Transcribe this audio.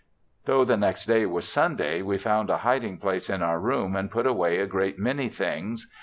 Though the next day was Sunday we found a hiding place in our room and put away a great many things.